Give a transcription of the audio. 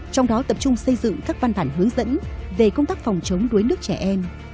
trong đó tập trung xây dựng các văn bản hướng dẫn về công tác phòng chống đuối nước trẻ em